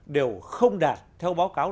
đều không đạt theo báo cáo